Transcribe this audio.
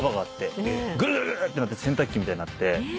ぐるぐるぐるってなって洗濯機みたいになって。